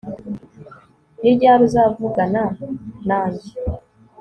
Ni ryari uzavugana nanjye